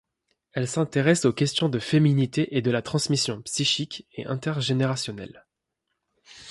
Elle s'intéresse aux questions de féminité et de la transmission psychique et intergénérationnelle.